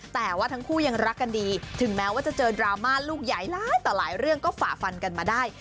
แต่ว่าทั้งคู่ยังรักกันดีถึงแม้ว่าจะเจอดราม่าลูกใหญ่หลายต่อหลายเรื่องก็ฝ่าฟันกันมาได้